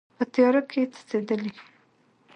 په تیاره کې څڅیدلې